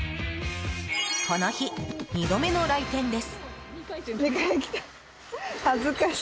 この日、２度目の来店です。